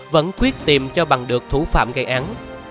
vẫn quyết tìm cho bằng được thủ phạm gây án